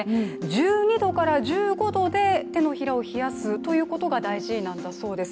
１２度から１５度で手のひらを冷やすということが大事なんだそうです。